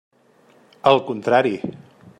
Al contrari.